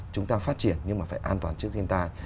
chúng ta phát triển nhưng mà phải an toàn trước thiên tai